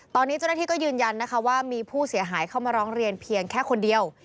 ตอนนี้เจ้าหน้าที่ก็ยืนยันนะคะว่ามีผู้เสียหายเข้ามาร้องเรียนเพียงแค่คนเดียว